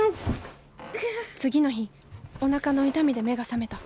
次の日おなかの痛みで目が覚めた。